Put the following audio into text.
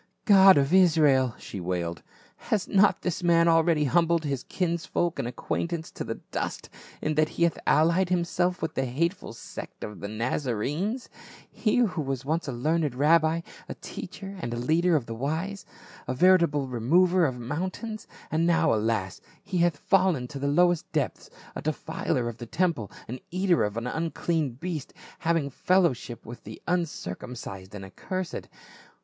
" God of Israel !" she wailed, " has not this man already humbled his kinsfolk and aquaintance to the dust, in that he hath allied himself with the hateful sect of the Nazarenes — he who was once a learned rabbi, a teacher and leader of the wise, a veritable * remover of mountains ;' and now, alas, he hath fallen to the lowest depths, a defiler of the temple, an eater of the unclean beast, having fellowship with the un circumcised and accursed.